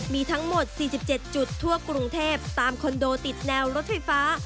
มีทั้งหมด๔๗จุดทั่วกรุงเทพตามคอนโดติดแนวรถไฟฟ้า